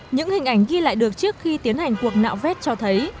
những hình ảnh ghi lại được trước khi tiến hành cuộc nạo vét cho thấy